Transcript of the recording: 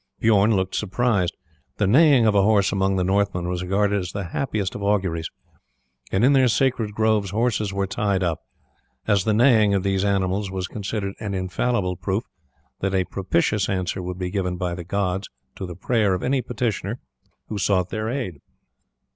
Bijorn looked surprised. The neighing of a horse among the Northmen was regarded as the happiest of auguries, and in their sacred groves horses were tied up, as the neighing of these animals was considered an infallible proof that a propitious answer would be given by the gods to the prayer of any petitioner who sought their aid.